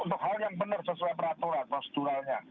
untuk hal yang benar sesuai peraturan proseduralnya